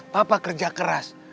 papa kerja keras